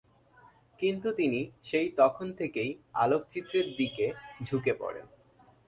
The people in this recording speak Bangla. কিন্তু তিনি সেই তখন থেকেই আলোকচিত্রের দিকে ঝুঁকে পড়েন।